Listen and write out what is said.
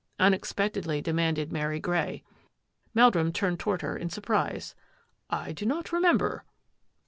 unexpectedly de manded Mary Grey. Meldrum turned toward her in surprise. " I do not remember."